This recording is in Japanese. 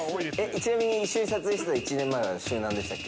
ちなみに、一緒に撮影してた１年前は週何でしたっけ？